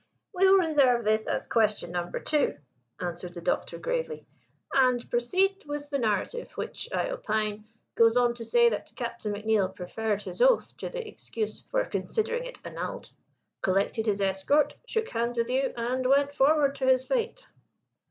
"We will reserve this as Question Number Two," answered the Doctor gravely, "and proceed with the narrative, which (I opine) goes on to say that Captain McNeill preferred his oath to the excuse for considering it annulled, collected his escort, shook hands with you, and went forward to his fate."